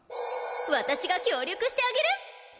私が協力してあげる！